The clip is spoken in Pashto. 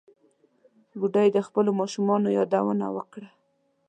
بوډۍ د خپلو ماشومانو یادونه وکړه.